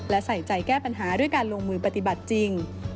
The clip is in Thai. และใส่ใจแก้ปัญหาด้วยการลงมือปฏิบัติจริง